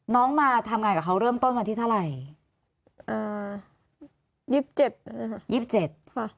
มาทำงานกับเขาเริ่มต้นวันที่เท่าไหร่อ่ายี่สิบเจ็ดอ่ายี่สิบเจ็ดค่ะ